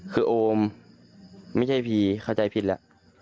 คือโอมไม่ใช่ผีเข้าใจผิดแล้ว